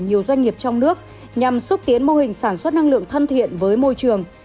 nhiều doanh nghiệp trong nước nhằm xúc tiến mô hình sản xuất năng lượng thân thiện với môi trường